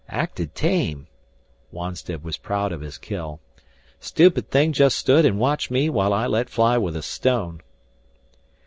"Acted tame." Wonstead was proud of his kill. "Stupid thing just stood and watched me while I let fly with a stone."